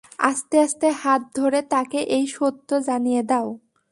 আস্তে আস্তে হাত ধরে তাকে এই সত্য জানিয়ে দাও।